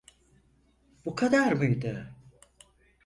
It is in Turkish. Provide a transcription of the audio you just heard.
Bu kadar mıydı?